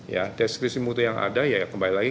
ya deskripsi mutu yang ada ya kembali lagi